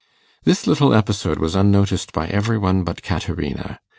This little episode was unnoticed by every one but Caterina.